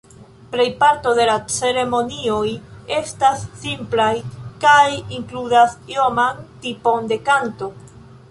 Plej parto de ceremonioj estas simplaj kaj inkludas ioman tipon de kanto.